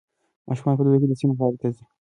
ماشومان په دوبي کې د سیند غاړې ته ځي.